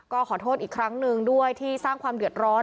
ก็ขอโทษอีกครั้งหนึ่งด้วยที่สร้างความเดือดร้อน